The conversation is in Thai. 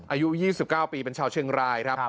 อายุ๒๙ปีเป็นชาวเชียงรายครับ